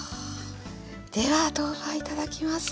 では豆花いただきます。